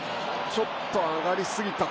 ちょっと上がり過ぎたか？